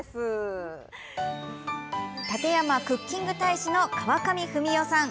館山クッキング大使の川上文代さん。